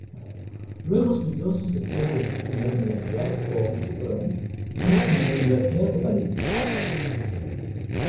Luego siguió sus estudios en la Universidad Brown y en la Universidad de París.